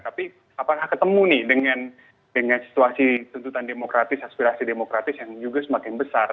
tapi apakah ketemu nih dengan situasi tuntutan demokratis aspirasi demokratis yang juga semakin besar